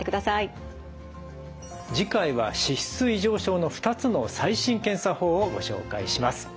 次回は脂質異常症の２つの最新検査法をご紹介します。